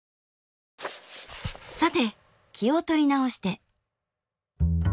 さて気を取り直して。